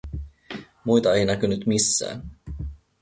Muita ei näkynyt missään.